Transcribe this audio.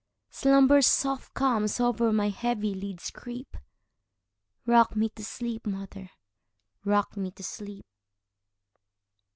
Slumber's soft calms o'er my heavy lids creep;—Rock me to sleep, mother,—rock me to sleep!